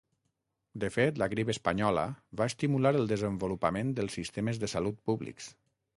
De fet, la grip espanyola va estimular el desenvolupament dels sistemes de salut públics.